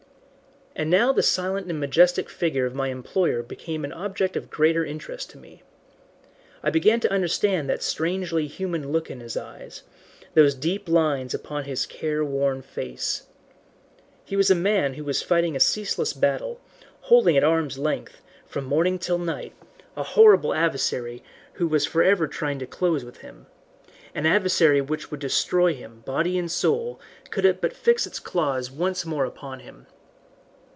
And now the silent and majestic figure of my employer became an object of greater interest to me. I began to understand that strangely human look in his eyes, those deep lines upon his care worn face. He was a man who was fighting a ceaseless battle, holding at arm's length, from morning till night, a horrible adversary who was forever trying to close with him an adversary which would destroy him body and soul could it but fix its claws once more upon him.